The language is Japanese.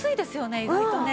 意外とね。